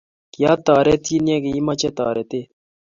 kiatoritin ya kiimeche toretet